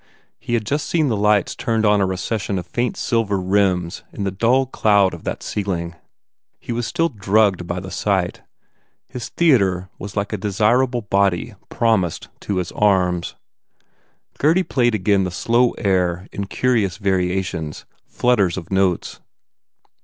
He had just seen the lights turned on a recession of faint silver rims in the dull cloud of that ceiling. He was still drugged by the sight. His theatre was like a desirable body promised to his arms. Gurdy played again the slow air in curious variations, flutters of notes.